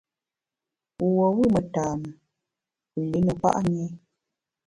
Wu tuo wù metane, wu li ne kpa’ nyi.